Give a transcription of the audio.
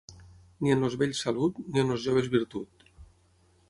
Ni en els vells salut, ni en els joves virtut.